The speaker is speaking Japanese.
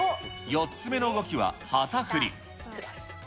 ４つ目の動きは旗振り。